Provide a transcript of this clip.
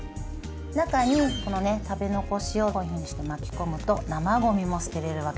中にこの食べ残しをこういうふうにして巻き込むと生ゴミも捨てられるわけです。